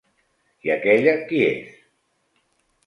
I aquella, qui és?